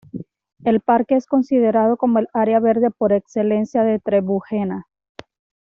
El parque es considerado como el área verde por excelencia de Trebujena.